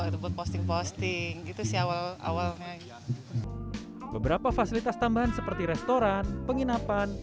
dan posting posting itu si awal awalnya beberapa fasilitas tambahan seperti restoran penginapan